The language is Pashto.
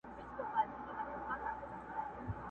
لکه ما چي خپل سکه وروڼه وژلي،